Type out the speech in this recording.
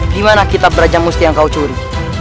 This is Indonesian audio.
di mana kitab berajang musti yang kau curi